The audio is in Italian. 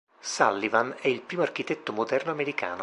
Sullivan è il primo architetto moderno americano.